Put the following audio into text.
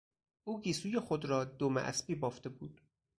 او گیسوی خود را دم اسبی بافته بود.